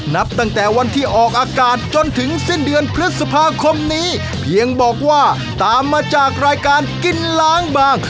นับตั้งแต่วันที่ออกอากาศจนถึงสิ้นเดือนพฤษภาคมนี้เพียงบอกว่าตามมาจากรายการกินล้างบาง